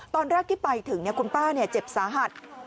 ตอนแรกที่ไปถึงคุณป้าเจ็บสาหัส